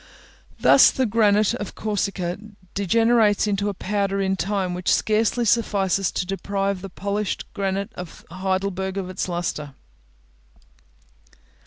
Thus the granite of Corsica degenerates into a powder in a time which scarcely suffices to deprive the polished granite of Heidelberg of its lustre.